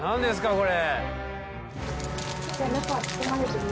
これ。